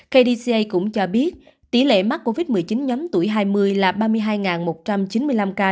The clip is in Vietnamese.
kdca cũng cho biết tỷ lệ mắc covid một mươi chín nhóm tuổi hai mươi là ba mươi hai một trăm chín mươi năm ca